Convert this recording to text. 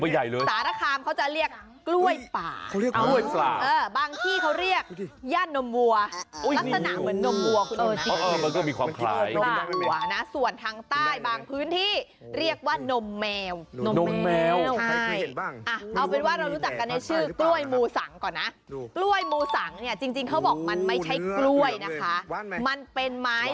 ฮะหมากผีผวนอันนี้ก็ยิงมงไปใหญ่เลย